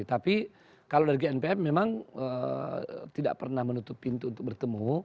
tapi kalau dari gnpf memang tidak pernah menutup pintu untuk bertemu